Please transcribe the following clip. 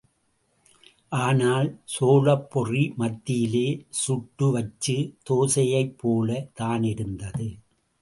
ஆனால் சோளப்பொறி மத்தியிலே சுட்டு வச்ச தோசையைப் போலத் தானிருந்தது.